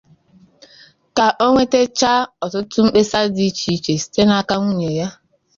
Ka o nwetechaara ọtụtụ mkpesa dị icheiche site n'aka nwunye ya